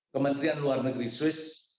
kementerian luar negeri swiss